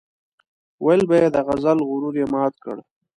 ويل به يې د غزل غرور یې مات کړ.